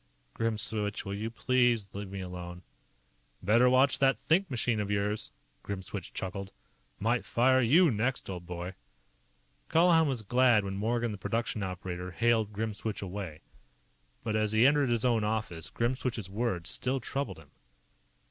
"Grimswitch, will you please let me alone?" "Better watch that think machine of yours," Grimswitch chuckled. "Might fire you next, old boy." Colihan was glad when Morgan, the production operator, hailed Grimswitch away. But as he entered his own office, Grimswitch's words still troubled him.